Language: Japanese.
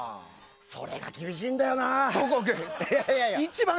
それが厳しいんだよな。